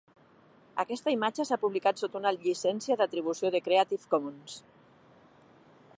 Aquesta imatge s'ha publicat sota una llicència d'atribució de Creative Commons.